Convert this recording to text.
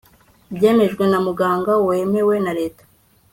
byemejwe na muganga wemewe na leta